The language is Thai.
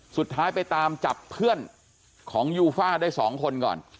สุดท้ายไปตามจับเพื่อนของยูฟ่าได้๒คนก่อน